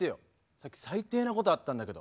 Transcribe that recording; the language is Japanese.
さっき最低なことあったんだけど。